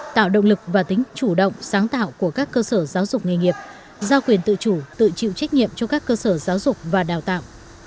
tạo động lực và tính chủ động sáng tạo của các cơ sở giáo dục nghề nghiệp giao quyền tự chủ tự chịu trách nhiệm cho các cơ sở giáo dục và đào tạo